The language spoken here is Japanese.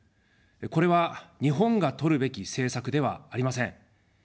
これは日本がとるべき政策ではありません。